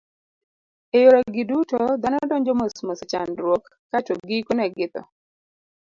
E yoregi duto, dhano donjo mosmos e chandruok, kae to gikone githo.